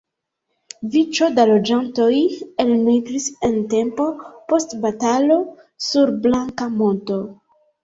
Vico da loĝantoj elmigris en tempo post batalo sur Blanka monto.